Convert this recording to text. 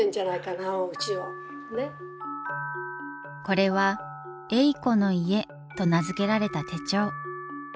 これは「えいこの家」と名付けられた手帳。